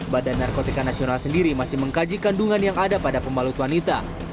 badan narkotika nasional sendiri masih mengkaji kandungan yang ada pada pembalut wanita